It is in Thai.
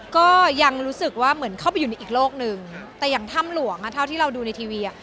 ก็ยังรู้สึกว่าเหมือนเข้าไปอยู่ในอีกโลกหนึ่งแต่อย่างถ้ำหลวงอ่ะเท่าที่เราดูในทีวีอ่ะ